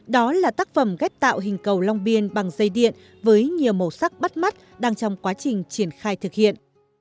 đó là tác phẩm ghép tạo hình cầu long biên bằng dây điện với nhiều màu sắc bắt mắt đang trong quá trình triển khai thực hiện